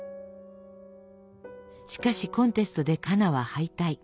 しかしコンテストでカナは敗退。